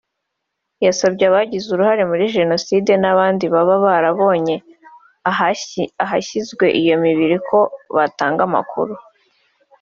yasabye abagize uruhare muri Jenoside n`abandi baba barabonye ahashyizwe iyo mibiri ko batanga amakuru